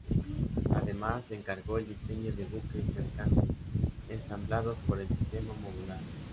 Además le encargó el diseño de buques mercantes ensamblados por el sistema modular.